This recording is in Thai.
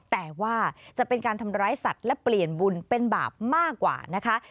แต่ว่าจะเป็นการทำร้ายสัตว์และเปลี่ยนบุญเป็นบาปมากกว่านะคะ